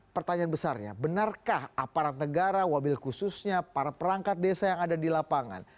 pertanyaan besarnya benarkah aparat negara wabil khususnya para perangkat desa yang ada di lapangan